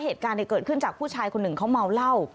เหตุการณ์เกิดขึ้นจากผู้ชายคนหนึ่งเขาเมาเหล้า